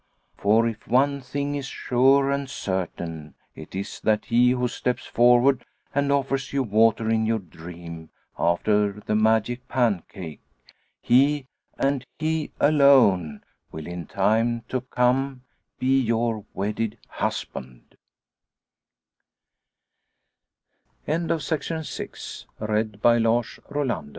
For if one thing is sure and certain it is that he who steps forward and offers you water in your dream after the magic pancake, he and he alone will in time to come be your wedded husband. CH